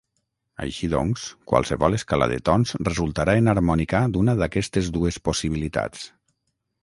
Així doncs, qualsevol escala de tons resultarà enharmònica d'una d'aquestes dues possibilitats.